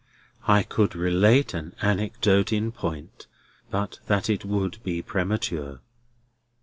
I could relate an anecdote in point, but that it would be premature."